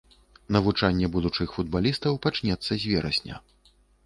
Навучанне будучых футбалістаў пачнецца з верасня.